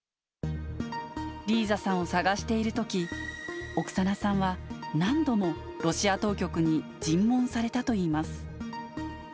リーザさんを捜しているとき、オクサナさんは、何度もロシア当局に尋問されたといいます。